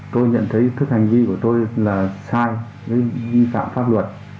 tôi nhận thấy thức hành ghi của tôi là sai ghi phạm pháp luật